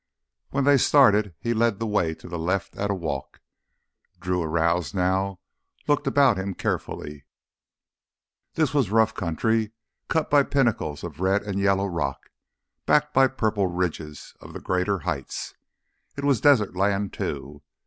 When they started he led the way to the left at a walk. Drew, aroused now, looked about him carefully. This was rough country cut by pinnacles of red and yellow rock, backed by the purple ridges of the greater heights. It was desert land, too.